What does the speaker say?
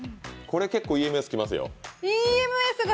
これ結構ＥＭＳきますよ。